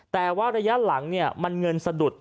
แต่ว่าระยะหลังเนี่ยมันเงินสะดุด